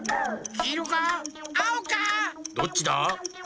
どっちだ？